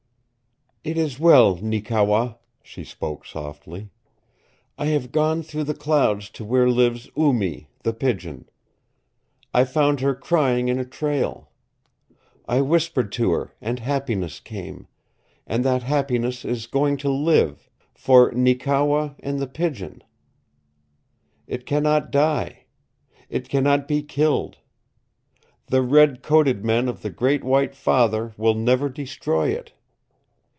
"It is well, Neekewa," she spoke softly. "I have gone through the clouds to where lives Oo Mee, the Pigeon. I found her crying in a trail. I whispered to her and happiness came, and that happiness is going to live for Neekewa and The Pigeon. It cannot die. It cannot be killed. The Red Coated men of the Great White Father will never destroy it.